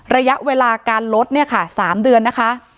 ระยะเวลาการลด๓เดือนนะคะ